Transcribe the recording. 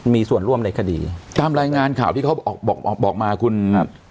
มีส่วนร่วมในคดีตามรายงานข่าวที่เขาออกบอกบอกมาคุณ